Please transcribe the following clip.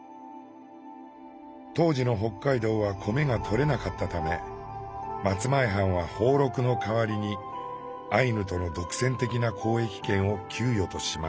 当時の北海道は米がとれなかったため松前藩は俸禄の代わりにアイヌとの独占的な交易権を給与としました。